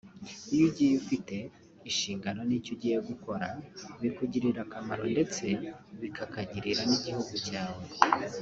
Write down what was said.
Iyo ugiye ufite inshingano n’icyo ugiye gukora bikugirira akamaro ndetse bikakagirira n’igihugu cyawe